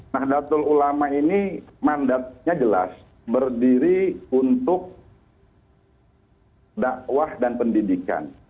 nah datul ulama ini mandatnya jelas berdiri untuk dakwah dan pendidikan